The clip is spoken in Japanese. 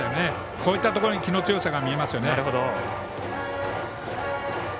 こういったところに気の強さが見えますね。